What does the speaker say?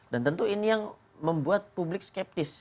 tentu ini yang membuat publik skeptis